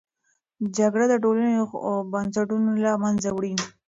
جګړه د ټولنې بنسټونه له منځه وړي.